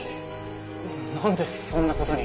なんでそんな事に？